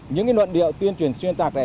những luận điệu tuyên truyền xuyên tạc